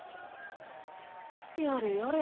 やれやれ。